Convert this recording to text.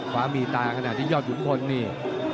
ฟ้ามีตาขณะที่ยอดขุนพลนี่